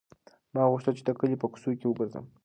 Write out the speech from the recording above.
ما غوښتل چې د کلي په کوڅو کې وګرځم.